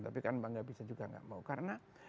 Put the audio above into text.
tapi kan bang gabisa juga nggak mau karena